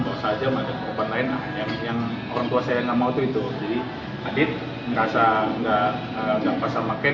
bawa saja bawa teman lain yang orang tua saya gak mau itu jadi adit merasa gak pas sama ken